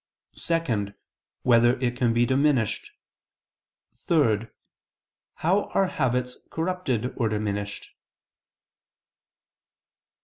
(2) Whether it can be diminished? (3) How are habits corrupted or diminished?